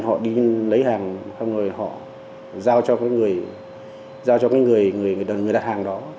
họ đi lấy hàng họ giao cho người đặt hàng đó